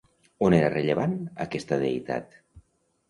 On era rellevant aquesta deïtat?